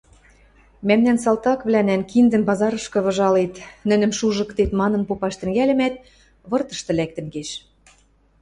– Мӓмнӓн салтаквлӓнӓн киндӹм пазарышкы выжалет, нӹнӹм шужыктет манын попаш тӹнгӓльӹмӓт, выртышты лӓктӹн кеш...